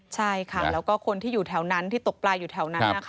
ใช่ค่ะแล้วก็คนที่อยู่แถวนั้นที่ตกปลาอยู่แถวนั้นนะคะ